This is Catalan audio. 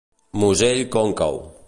Musell còncau.